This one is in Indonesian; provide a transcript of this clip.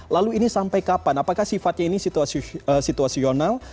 lalu ini sampai kapan apakah sifatnya ini situasional